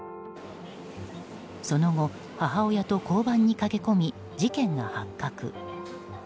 その後、母親と交番に駆け込み事件が発覚。